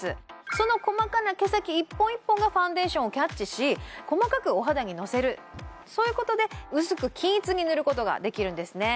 その細かな毛先１本１本がファンデーションをキャッチし細かくお肌にのせるそういうことで薄く均一に塗ることができるんですね